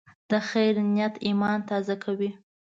د خیر نیت ایمان تازه کوي.